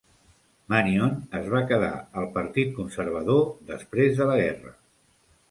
Manion es va quedar al Partit Conservador després de la guerra.